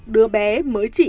đứa bé mới chỉ